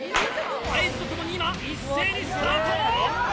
合図とともに今、一斉にスタート。